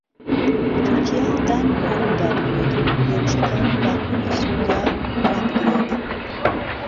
توركیا دان بە خۆیدا بگرێت و هێرشەكانی باكووری سووریا رابگرێت